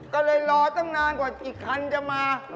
ก็เลยรอตั้งนานกว่าอีกคันจะมา